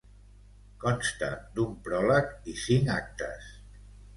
Consta d'un pròleg i cinc actes.